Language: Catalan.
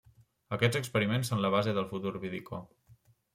Aquests experiments són la base del futur vidicó.